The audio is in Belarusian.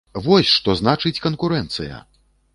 Вось што значыць канкурэнцыя!